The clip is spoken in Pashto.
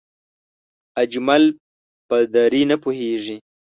اجمل په دری نه پوهېږي